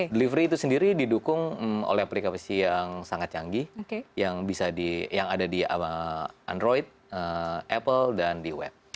delivery itu sendiri didukung oleh aplikasi yang sangat canggih yang ada di android apple dan di web